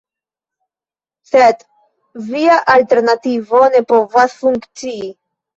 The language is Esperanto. Sed via alternativo ne povas funkcii.